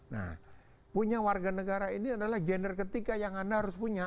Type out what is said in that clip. nah punya warga negara ini adalah gender ketiga yang anda harus punya